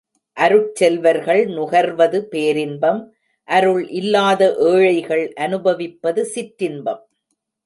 அருட்செல்வர்கள் நுகர்வது பேரின்பம் அருள் இல்லாத ஏழைகள் அநுபவிப்பது சிற்றின்பம்.